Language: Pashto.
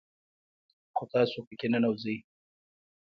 خو تاسو په كي ننوځئ